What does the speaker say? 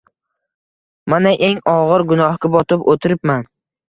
Mana, eng og`ir gunohga botib o`tiribman